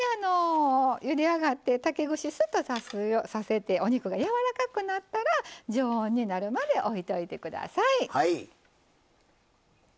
ゆで上がって竹串スッと刺せてお肉がやわらかくなったら常温になるまでおいといて下さい。